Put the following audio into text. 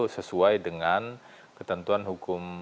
sesuai dengan ketentuan hukum